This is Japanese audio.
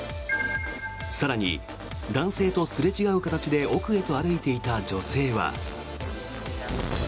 更に、男性とすれ違う形で奥へと歩いていた女性は。